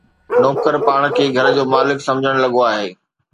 نوڪر پاڻ کي گهر جو مالڪ سمجهڻ لڳو آهي